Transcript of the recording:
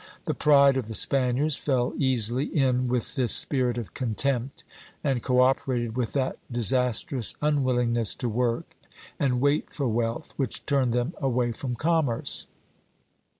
The pride of the Spaniards fell easily in with this spirit of contempt, and co operated with that disastrous unwillingness to work and wait for wealth which turned them away from commerce.